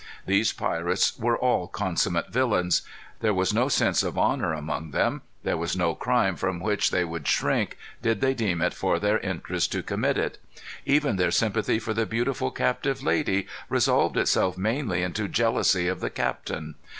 These pirates were all consummate villains. There was no sense of honor among them. There was no crime from which they would shrink did they deem it for their interest to commit it. Even their sympathy for the beautiful captive lady resolved itself mainly into jealousy of the captain.